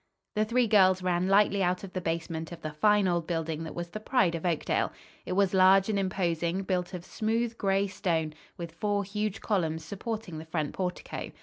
The three girls ran lightly out of the basement of the fine old building that was the pride of Oakdale. It was large and imposing, built of smooth, gray stone, with four huge columns supporting the front portico.